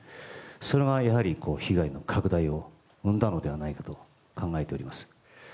それが被害の拡大を生んだのではないかと考えております。